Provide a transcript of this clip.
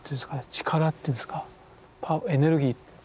力っていうんですかエネルギー。